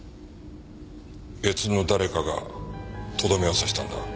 別の誰かがとどめを刺したんだ。